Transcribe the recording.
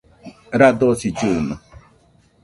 radosi llɨɨno